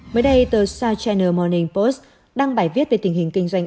mới đây tờ south china morning post đăng bài viết về tình hình kinh doanh